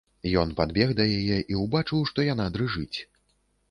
Ён падбег да яе і ўбачыў, што яна дрыжыць.